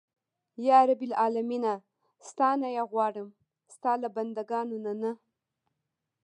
یا رب العالمینه ستا نه یې غواړم ستا له بنده ګانو نه.